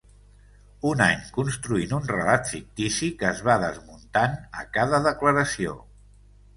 Un any construint un relat fictici que es va desmuntant a cada declaració.